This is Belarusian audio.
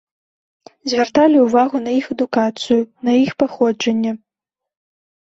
Звярталі ўвагу на іх адукацыю, на іх паходжанне.